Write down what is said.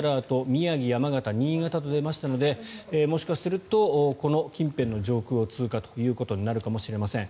宮城、山形、新潟と出ましたのでもしかするとこの近辺の上空を通過ということになるかもしれません。